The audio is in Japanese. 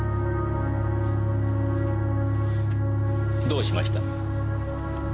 どうしました？